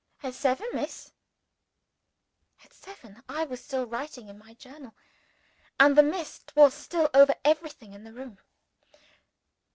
"At seven, Miss." At seven I was still writing in my Journal, and the mist was still over everything in the room.